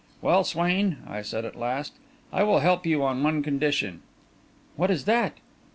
"Well, Swain," I said, at last, "I will help you on one condition." "What is that?"